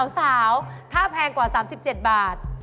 สาวค่าแพงกว่า๓๗บาท